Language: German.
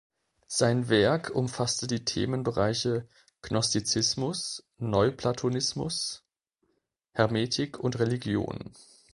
Sein Werk umfasste die Themenbereiche Gnostizismus, Neuplatonismus, Hermetik und Religion.